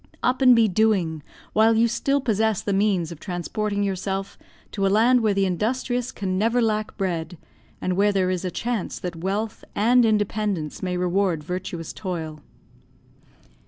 Up and be doing, while you still possess the means of transporting yourself to a land where the industrious can never lack bread, and where there is a chance that wealth and independence may reward virtuous toil."